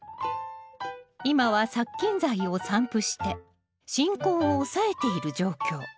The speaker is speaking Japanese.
今は殺菌剤を散布して進行を抑えている状況。